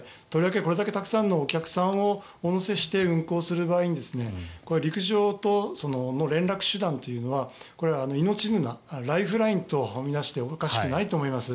これだけたくさんのお客さんを乗せて運航する場合陸上との連絡手段はこれは命綱ライフラインと見なしておかしくないと思います。